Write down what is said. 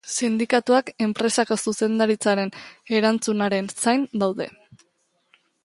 Sindikatuak enpresako zuzendaritzaren erantzunaren zain daude.